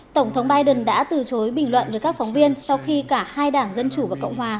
tổng thống biden đã từ chối bình luận với các phóng viên sau khi cả hai đảng dân chủ và cộng hòa